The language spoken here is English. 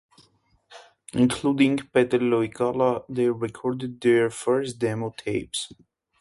Including Pete Loikala, they recorded their first demo tapes.